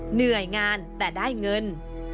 เหนื่อยงานแต่ได้เงิน